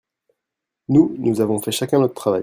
Nous, nous avons fait chacun notre travail.